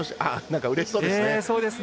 何かうれしそうですね。